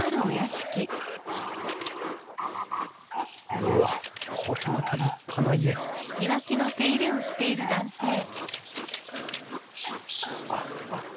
うわっこれまた立派な家あっすみません。